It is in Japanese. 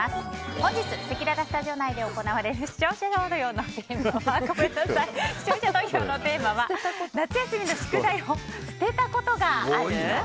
本日、せきららスタジオ内で行われる視聴者投票のテーマは夏休みの宿題を捨てたことがある？